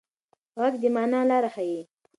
غږ د مانا لاره ښيي.